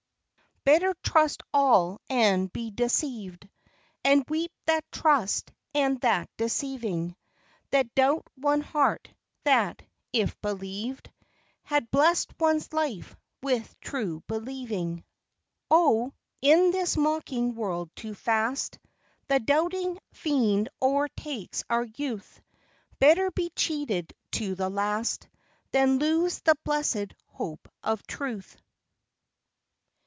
Better trust all and be deceived, And weep that trust and that deceiving, Than doubt one heart, that, if believed, Had blessed one's life with true believing. HE DOETH ALL THINGS WELL. 209 Oh, in this mocking world too fast The doubting fiend o'ertakes our youth ! Better be cheated to the last Than lose the blessed hope of truth.